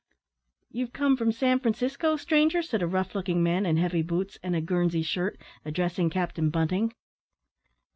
"You've come from San Francisco, stranger?" said a rough looking man, in heavy boots, and a Guernsey shirt, addressing Captain Bunting.